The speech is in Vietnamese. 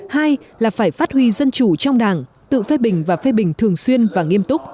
hai là phải phát huy dân chủ trong đảng tự phê bình và phê bình thường xuyên và nghiêm túc